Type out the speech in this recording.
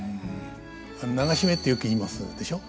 「流し目」ってよく言いますでしょ。